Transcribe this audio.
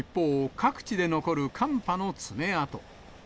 、各地で残る寒波の爪痕。